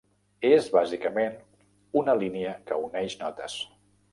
És bàsicament una línia que uneix notes.